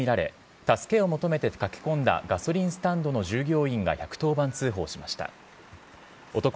女性は軽傷と見られ、助けを求めて駆け込んだガソリンスタンドの従業員が１１０番通報しました。